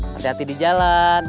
hati hati di jalan